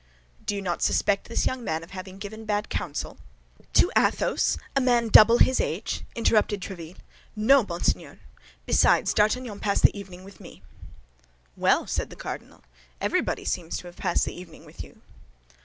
"Do you not suspect this young man of having given bad counsel?" "To Athos, to a man double his age?" interrupted Tréville. "No, monseigneur. Besides, D'Artagnan passed the evening with me." "Well," said the cardinal, "everybody seems to have passed the evening with you."